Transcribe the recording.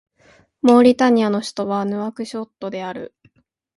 モーリタニアの首都はヌアクショットである